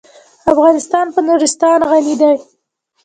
افغانستان په نورستان غني دی.